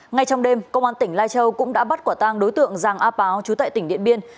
ngay trong đêm công an tỉnh lai châu cũng đã bắt quả tang đối tượng giàng a páo trú tại tỉnh điện biên